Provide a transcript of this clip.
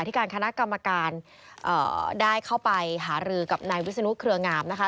ที่การคณะกรรมการได้เข้าไปหารือกับนายวิศนุเครืองามนะคะ